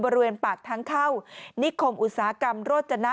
บริเวณปากทางเข้านิคมอุตสาหกรรมโรจนะ